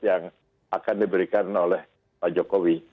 yang akan diberikan oleh pak jokowi